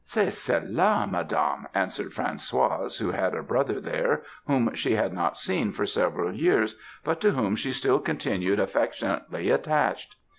"'C'est cela, Madame,' answered Françoise, who had a brother there whom she had not seen for several years, but to whom she still continued affectionately attached.